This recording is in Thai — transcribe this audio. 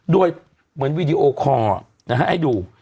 โดยเหมือนวีดีโอคอร์ให้ดู